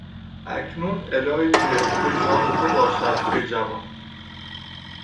اکنون الهی که هرکول یار تو باشد ای جوان.